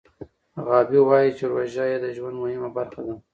غابي وايي چې روژه یې د ژوند مهمه برخه ده.